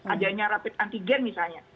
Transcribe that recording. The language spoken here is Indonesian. adanya rapid antigen misalnya